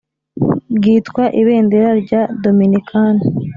bwitwa ibendera rya Dominikani